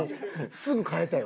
すぐ変えたよ。